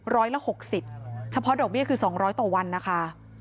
ร้อยละหกสิบเฉพาะดอกเบี้ยคือสองร้อยต่อวันนะคะ